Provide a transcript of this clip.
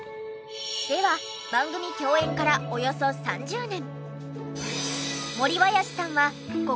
では番組共演からおよそ３０年。